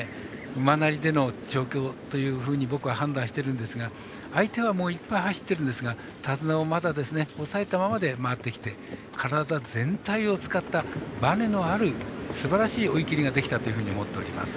馬なりでの調教というふうに僕は判断してるんですが相手はいっぱい走ってるんですが手綱を押さえたままで回ってきて体全体を使ったバネのあるすばらしい追い切りができたというふうに思っております。